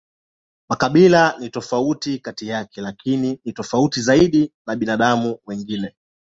Makabila ni tofauti kati yake, lakini ni tofauti zaidi sana na binadamu wengine.